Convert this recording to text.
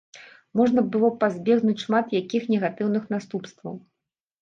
Можна было б пазбегнуць шмат якіх негатыўных наступстваў.